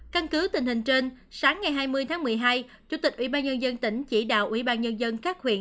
căn cứ tình hình trên sáng ngày hai mươi tháng một mươi hai chủ tịch ủy ban nhân dân tỉnh chỉ đạo ủy ban nhân dân các huyện